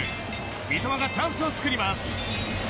三笘がチャンスを作ります。